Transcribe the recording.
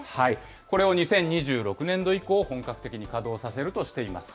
これを２０２６年度以降、本格的に稼働させるとしています。